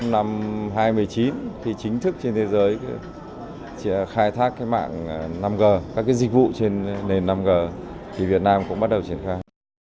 năm hai nghìn một mươi chín thì chính thức trên thế giới khai thác mạng năm g các dịch vụ trên nền năm g thì việt nam cũng bắt đầu triển khai